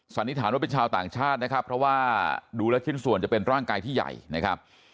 สันนิษฐานว่าเป็นชาวต่างชาตินะครับเพราะว่าดูแล้วชิ้นส่วนจะเป็นร่างกายที่ใหญ่นะครับ